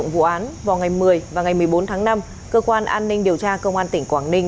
vụ án vào ngày một mươi và ngày một mươi bốn tháng năm cơ quan an ninh điều tra công an tỉnh quảng ninh